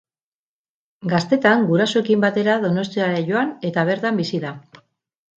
Gaztetan gurasoekin batera Donostiara joan eta bertan bizi da.